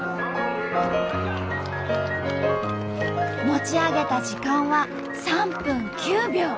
持ち上げた時間は３分９秒。